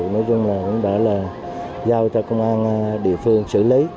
nói chung là cũng đã là giao cho công an địa phương xử lý